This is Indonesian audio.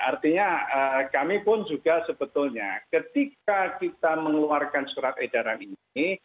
artinya kami pun juga sebetulnya ketika kita mengeluarkan surat edaran ini